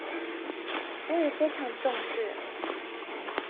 我也非常重視